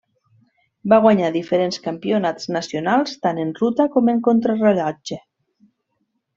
Va guanyar diferents campionats nacionals, tant en ruta com en contrarellotge.